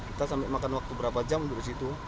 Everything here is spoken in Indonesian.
kita sampai makan waktu berapa jam dari situ